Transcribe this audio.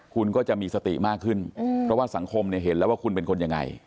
คุณก็จะมีสติมากขึ้นเพราะว่าสังคมเนี่ยเห็นแล้วว่าคุณเป็นคนยังไง